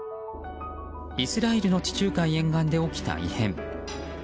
イスラエルの地中海沿岸で起きた異変。